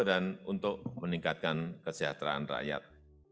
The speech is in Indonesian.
dan untuk meningkatkan kesehatan rakyat